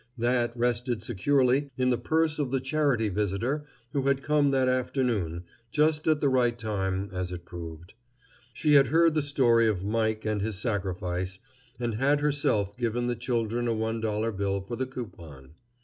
That rested securely in the purse of the charity visitor who had come that afternoon, just at the right time, as it proved. She had heard the story of Mike and his sacrifice, and had herself given the children a one dollar bill for the coupon.